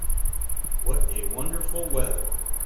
What a wonderful weather!